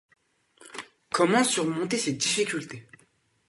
Comment surmonter cette difficulté ?